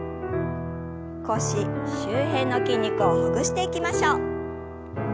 腰周辺の筋肉をほぐしていきましょう。